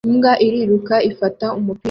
Imbwa iriruka ifata umupira